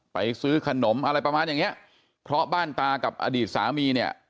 ซื้อขนมอะไรประมาณอย่างเนี้ยเพราะบ้านตากับอดีตสามีเนี่ย